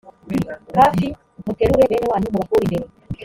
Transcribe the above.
hafi muterure bene wanyu mubakure imbere